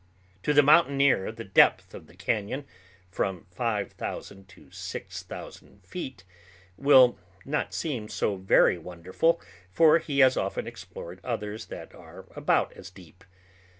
To the mountaineer the depth of the cañon, from five thousand to six thousand feet, will not seem so very wonderful, for he has often explored others that are about as deep.